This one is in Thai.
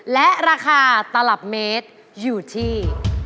และราคาตลับเมตรอยู่ที่